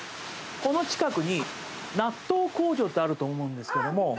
この近くに納豆工場ってあると思うんですけども。